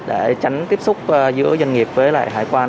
để tránh tiếp xúc giữa doanh nghiệp với lại hải quan